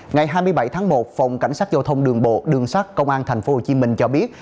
ngày hai mươi bảy tháng một phòng cảnh sát giao thông đường bộ đường sát công an thành phố hồ chí minh cho biết